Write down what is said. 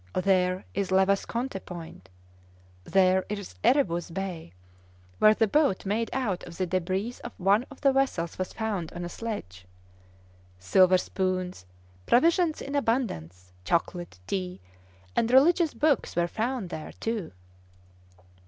There is Le Vesconte Point. There is Erebus Bay, where the boat made out of the debris of one of the vessels was found on a sledge. Silver spoons, provisions in abundance, chocolate, tea, and religious books were found there too.